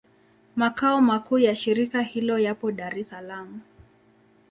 Makao makuu ya shirika hilo yapo Dar es Salaam.